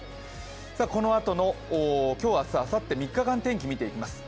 このあとの今日、明日、あさっての３日間天気を見ていきます。